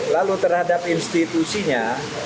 lalu terhadap institusinya